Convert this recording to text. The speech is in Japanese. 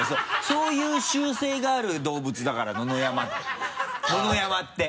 そういう習性がある動物だから野々山って。